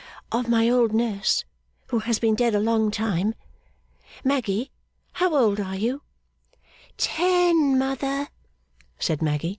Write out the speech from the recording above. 'Of my old nurse, who has been dead a long time. Maggy, how old are you?' 'Ten, mother,' said Maggy.